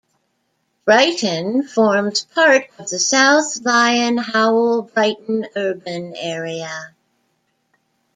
Brighton forms part of the South Lyon-Howell-Brighton Urban Area.